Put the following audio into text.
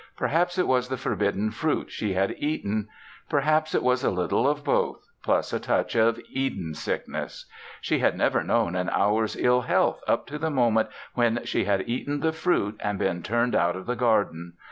Perhaps it was the forbidden fruit she had eaten. Perhaps it was a little of both, plus a touch of Eden sickness. She had never known an hour's ill health up to the moment when she had eaten the fruit and been turned out of the garden.